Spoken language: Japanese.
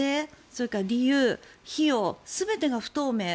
それから理由、費用全てが不透明。